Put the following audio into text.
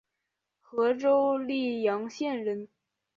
和州历阳县人。